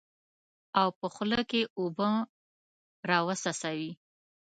او په خوله کې اوبه راوڅڅوي.